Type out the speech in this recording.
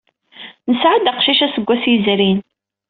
Nesɛa-d aqcic aseggas yezrin.